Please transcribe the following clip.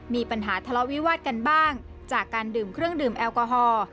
มีปัญหาทะเลาะวิวาดกันบ้างจากการดื่มเครื่องดื่มแอลกอฮอล์